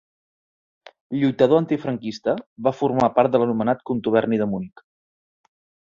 Lluitador antifranquista, va formar part de l'anomenat contuberni de Munic.